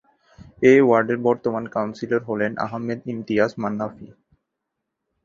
এ ওয়ার্ডের বর্তমান কাউন্সিলর হলেন আহমেদ ইমতিয়াজ মন্নাফী।